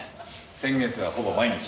先月はほぼ毎日。